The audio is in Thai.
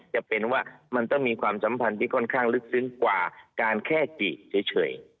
จะเป็นว่ามันต้องมีความสัมพันธ์ที่ค่อนข้างลึกซึ้งกว่าการแค่จีบเฉย